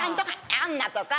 アンナとか。